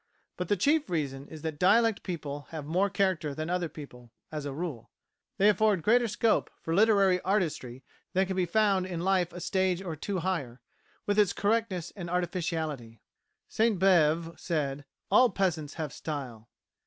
But the chief reason is that dialect people have more character than other people as a rule. They afford greater scope for literary artistry than can be found in life a stage or two higher, with its correctness and artificiality. St Beuve said, "All peasants have style."